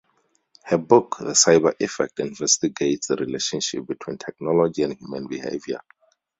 Her book "The Cyber Effect" investigates the relationship between technology and human behaviour.